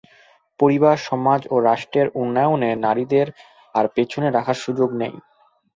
পরিবার, সমাজ ও রাষ্ট্রের উন্নয়নে নারীদের আর পেছনে রাখার সুযোগ নেই।